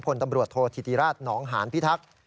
คนตำรวจโทษธิติราชหนองหานพิทักษ์